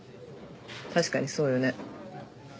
確かにそうよね。